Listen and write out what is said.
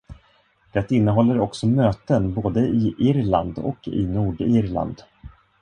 Det innehåller också möten både i Irland och i Nordirland.